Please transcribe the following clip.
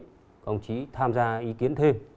các ông chí tham gia ý kiến thêm